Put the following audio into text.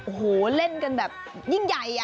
โอ้โหเล่นกันแบบยิ่งใหญ่